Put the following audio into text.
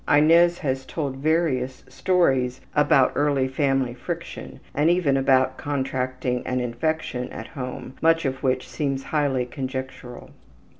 (Inez has told various stories about early family friction, and even about contracting an infection at home, much of which seems highly conjectural.)